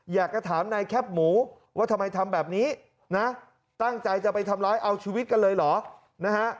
อยากจะถามนายแคปหมูว่าทำไมทำแบบนี้นะตั้งใจจะไปทำร้ายเอาชีวิตกันเลยเหรอนะฮะ